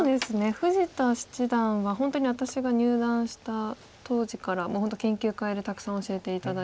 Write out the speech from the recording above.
富士田七段は本当に私が入段した当時から研究会でたくさん教えて頂いて。